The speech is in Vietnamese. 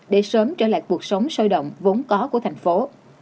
để sớm trở lại cuộc sống sôi động vốn có của thành phố